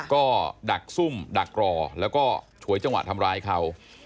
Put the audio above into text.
ก็ดักซุ่มดักรอแล้วก็ฉวยจังหวะทำร้ายเขา